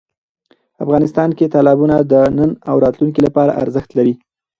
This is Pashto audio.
افغانستان کې تالابونه د نن او راتلونکي لپاره ارزښت لري.